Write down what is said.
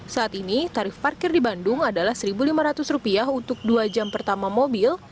saat ini tarif parkir di bandung adalah rp satu lima ratus untuk dua jam pertama mobil